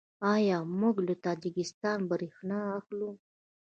آیا موږ له تاجکستان بریښنا اخلو؟